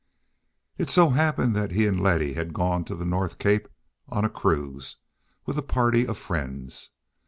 It so happened that he and Letty had gone to the North Cape on a cruise with a party of friends.